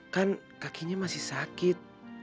kan kakinya masih sakit